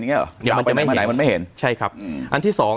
เนี้ยเหรอเดี๋ยวมันจะไม่เห็นมันไม่เห็นใช่ครับอืมอันที่สอง